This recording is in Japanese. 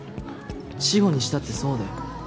志法にしたってそうだよ。